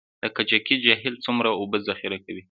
د کجکي جهیل څومره اوبه ذخیره کوي؟